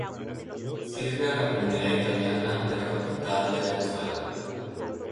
Sirve a la comunidad italiana de la capital de Venezuela.